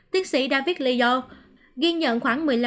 tiến sĩ david leo ghi nhận khoảng một mươi năm người trẻ